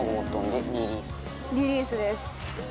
リリースです。